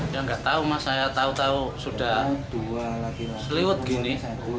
ya nggak tahu mas saya tahu tahu sudah dua seliwut gini